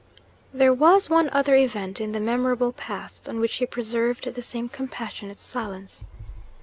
There was one other event in the memorable past on which he preserved the same compassionate silence.